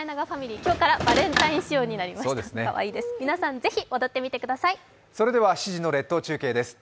今日から７時の列島中継です。